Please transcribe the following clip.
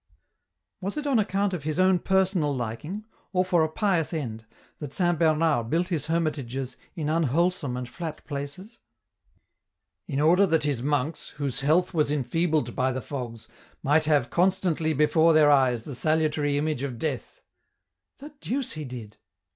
*"" Was it on account of his own personal liking, or for a pious end, that Saint Bernard built his hermitages in un wholesome and flat places ?"" In order that his monks, whose health was enfeebled by the fogs, might have constantly before their eyes the salu tary image of death." " The deuce he did